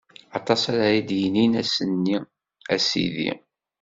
Aṭas ara yi-d-yinin ass-nni: A Sidi!